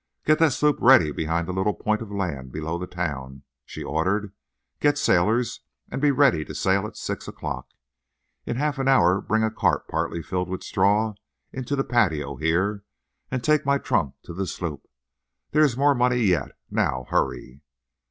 "Get the sloop ready behind the little point of land below the town," she ordered. "Get sailors, and be ready to sail at six o'clock. In half an hour bring a cart partly filled with straw into the patio here, and take my trunk to the sloop. There is more money yet. Now, hurry."